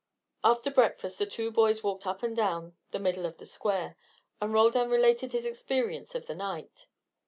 After breakfast the two boys walked up and down the middle of the square, and Roldan related his experience of the night.